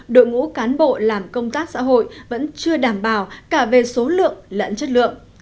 đội ngũ cán bộ làm công tác xã hội vẫn chưa đảm bảo cả về số lượng lẫn chất lượng